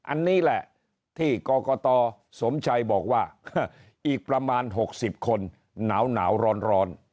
อันนี้แหละที่กรกตสมชัยบอกว่าอีกประมาณ๖๐คนหนาวร้อน